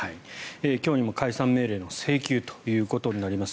今日にも解散命令の請求となります。